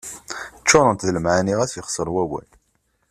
Ččurent d lemɛani xas yexseṛ wawal.